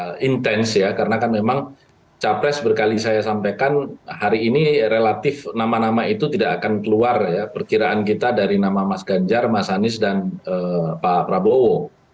sangat intens ya karena kan memang capres berkali saya sampaikan hari ini relatif nama nama itu tidak akan keluar ya perkiraan kita dari nama mas ganjar mas anies dan pak prabowo